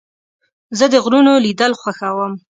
زه د غرونو لیدل خوښوم.